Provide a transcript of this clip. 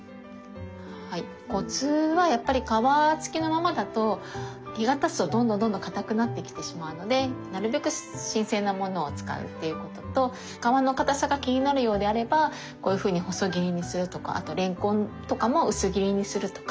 コツはやっぱり皮つきのままだと日がたつとどんどんどんどん硬くなってきてしまうのでなるべく新鮮なものを使うっていうことと皮の硬さが気になるようであればこういうふうに細切りにするとかあとれんこんとかも薄切りにするとか。